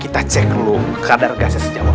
kita cek dulu kadar gasnya sejauh apa